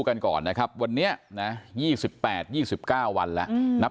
กันก่อนนะครับวันเนี้ยน่ะยี่สิบแปดยี่สิบเก้าวันละอืมนับ